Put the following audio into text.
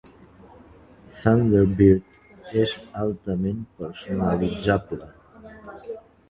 Thunderbird és altament personalitzable.